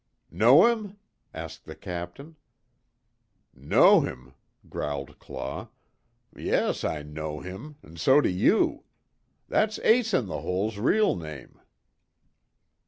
"Know him?" asked the Captain. "Know him!" growled Claw, "Yes, I know him an' so do you. That's Ace In The Hole's real name."